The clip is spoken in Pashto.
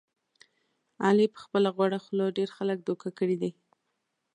علي په خپله غوړه خوله ډېر خلک دوکه کړي دي.